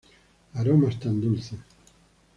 Aromas tan dulces.